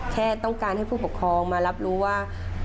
แค่ต้องการให้ผู้ปกครองมารับรู้ว่า